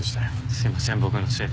すいません僕のせいで。